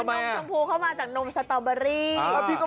นมชมพูข้อมาจากนมสตอเบอร์บอร์บ